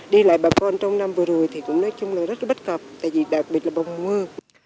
đi lại bà con trong năm vừa rồi thì cũng nói chung là rất là bất cập tại vì đặc biệt là vào mùa mưa